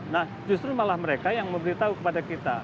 nah justru malah mereka yang memberi tahu kepada kita